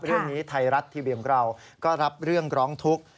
เรื่องนี้ไทยรัฐทีวีของเราก็รับเรื่องร้องทุกข์